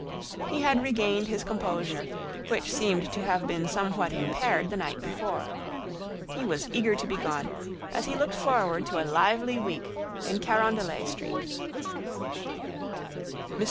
He had regained his composure, which seemed to have been somewhat impaired the night before. He was eager to be gone, as he looked forward to a lively week in Carondelet Street. Mr.